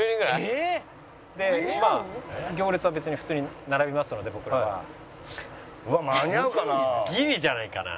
まあ行列は別に普通に並びますので僕らは。間に合うかな？